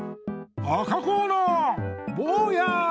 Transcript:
赤コーナーぼうや！